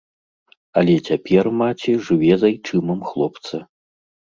Але цяпер маці жыве з айчымам хлопца.